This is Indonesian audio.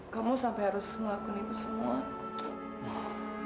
kamu sampe harus ngelakuin itu semua